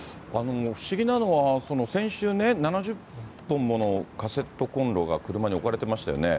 不思議なのは、先週ね、７０本ものカセットコンロが車に置かれてましたよね。